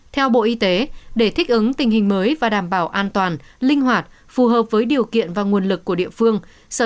theo bộ y tế để thích ứng tình hình mới và đảm bảo an toàn linh hoạt phù hợp với điều kiện và nguồn lực của địa phương